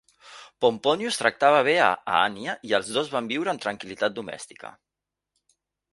Pomponius tractava bé a Annia i els dos van viure en tranquil·litat domèstica.